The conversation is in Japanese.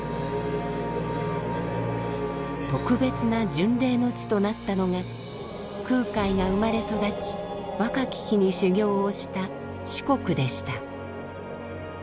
特別な巡礼の地となったのが空海が生まれ育ち若き日に修行をした四国でした。